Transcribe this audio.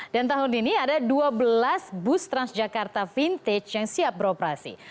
dan tahun ini ada dua belas bus transjakarta vintage yang siap beroperasi